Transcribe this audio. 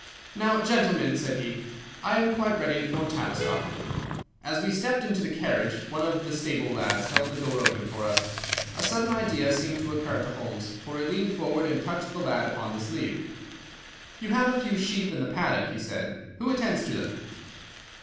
"Now, gentlemen," said he, "I am quite ready for Tavistock." As we stepped into the carriage one of the stable lads held the door open for us. A sudden idea seemed to occur to Holmes, for he leaned forward and touched the lad upon the sleeve. "You have a few sheep in the paddock," he said. "Who attends to them?"